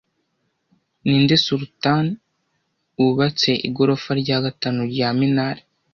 Ninde Sultan wubatse igorofa rya gatanu rya Minar